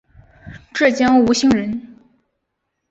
浙江吴兴人。